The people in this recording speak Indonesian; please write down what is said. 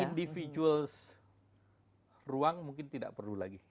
individual ruang mungkin tidak perlu lagi